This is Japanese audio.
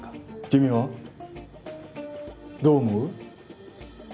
君はどう思う？